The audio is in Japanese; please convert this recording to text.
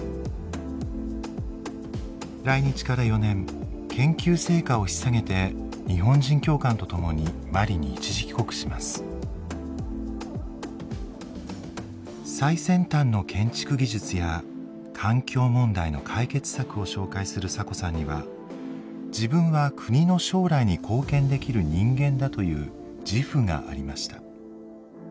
来日から４年研究成果をひっ提げて日本人教官と共に最先端の建築技術や環境問題の解決策を紹介するサコさんには自分は国の将来に貢献できる人間だという自負がありました。